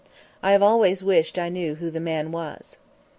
I have always wished I knew who the man was.